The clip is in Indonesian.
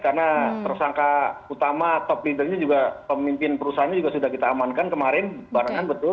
karena tersangka utama top leader nya juga pemimpin perusahaannya juga sudah kita amankan kemarin barengan betul